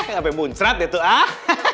sampai muncrat itu ah